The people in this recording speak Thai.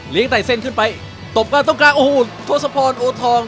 ไต่เส้นขึ้นไปตบกลางตรงกลางโอ้โหทศพรโอทอง